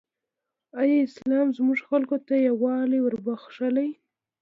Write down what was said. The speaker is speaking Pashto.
ایا اسلام زموږ خلکو ته یووالی وروباخښلی؟